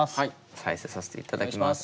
再生させていただきます。